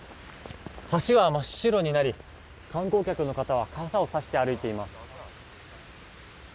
橋は真っ白になり観光客の方は傘をさして歩いています。